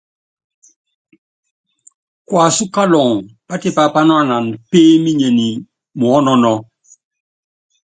Kuasú kaluŋɔ, patipá panuanan pééminenyi muɔ́nɔnɔ́.